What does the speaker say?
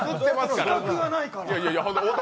自覚がないから。